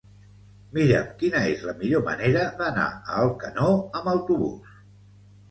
Mira'm quina és la millor manera d'anar a Alcanó amb autobús.